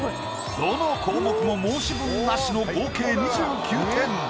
どの項目も申し分なしの合計２９点。